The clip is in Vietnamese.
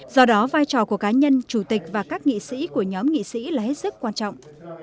do đó vai trò của cá nhân chủ tịch và các nghị sĩ của nhóm nghị sĩ là hết sức quan trọng